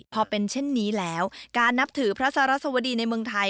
พอเป็นเช่นนี้แล้วการนับถือพระสรสวดีในเมืองไทย